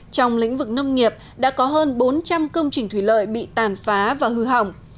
trong lĩnh vực nông nghiệp đã có hơn bốn trăm linh công trình thủy lợi bị tàn phá và hư hỏng